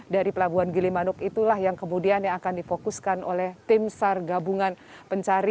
dari pelabuhan gili manuk itulah yang kemudian akan difokuskan oleh tim sar gabungan pencari